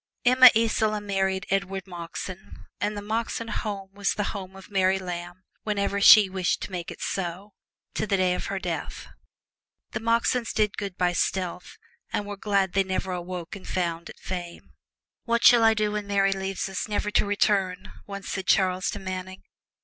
Emma Isola married Edward Moxon, and the Moxon home was the home of Mary Lamb whenever she wished to make it so, to the day of her death. The Moxons did good by stealth, and were glad they never awoke and found it fame. "What shall I do when Mary leaves me, never to return?" once said Charles to Manning.